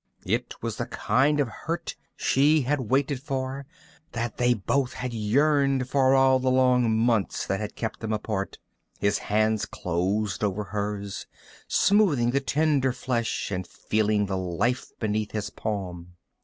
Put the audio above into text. It was the kind of hurt she had waited for, that they both had yearned for all the long months that had kept them apart. His hands closed over her. Smoothing the tender flesh and feeling of life beneath his palm.